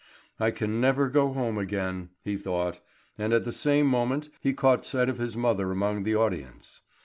"I can never go home again," he thought; and at the same moment he caught sight of his mother among the audience.